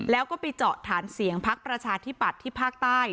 แล้วก็ไปเจาะฐานเสียงพักประชาธิปัตย์ที่ภาคใต้